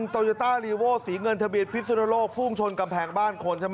ตอนโตเยอต้ารีโวศรีเงินทะเบียนพิษณโลกภูมิชนกำแพงบ้านคน